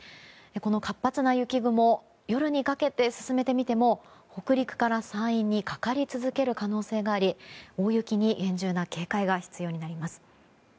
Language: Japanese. この活発な雪雲夜にかけて進めてみても北陸から山陰にかかり続ける可能性があり大雪に厳重な警戒が必要になります。